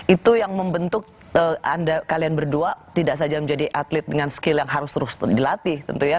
itu yang membentuk anda kalian berdua tidak saja menjadi atlet dengan skill yang harus terus dilatih tentu ya